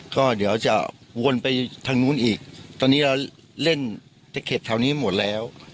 ก็เดี๋ยวจะวนไปทางนู้นอีกตอนนี้เราเล่นตะเข็ดแถวนี้หมดแล้ว